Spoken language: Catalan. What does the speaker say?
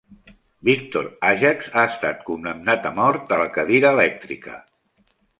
Victor Ajax ha estat condemnat a mort, a la cadira elèctrica.